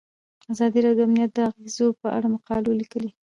ازادي راډیو د امنیت د اغیزو په اړه مقالو لیکلي.